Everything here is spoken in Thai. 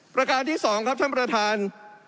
ประการที่๒ครับท่านประธาน